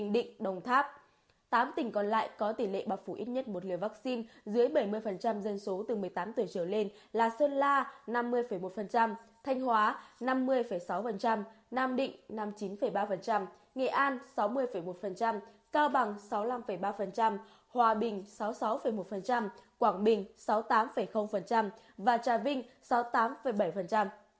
tám tỉnh còn lại có tỷ lệ bao phủ ít nhất một liều vaccine dưới bảy mươi dân số từ một mươi tám tuổi trở lên là sơn la năm mươi một thanh hóa năm mươi sáu nam định năm mươi chín ba nghệ an sáu mươi một cao bằng sáu mươi năm ba hòa bình sáu mươi sáu một quảng bình sáu mươi tám và trà vinh sáu mươi tám bảy